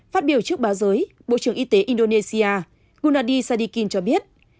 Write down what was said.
phát biểu trước báo giới bộ trưởng y tế indonesia gunady sadikin cho biết